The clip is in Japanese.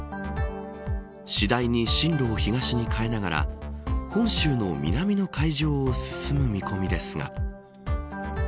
次第に進路を東に変えながら本州の南の海上を進む見込みですが。